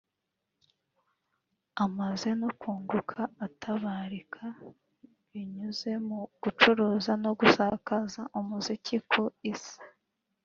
amaze no kunguka atabarika binyuze mu gucuruza no gusakaza umuziki ku Isi